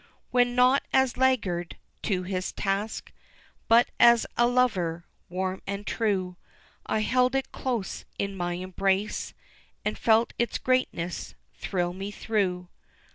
When, not as laggard to his task, But as a lover warm and true, I held it close in my embrace, And felt its greatness thrill me through.